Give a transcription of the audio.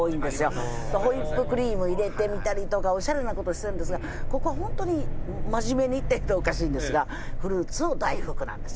ホイップクリーム入れてみたりとかオシャレな事してるんですがここは本当に真面目にって言うとおかしいんですがフルーツの大福なんですよ